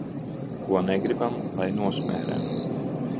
Ko negribam, lai nosmērē.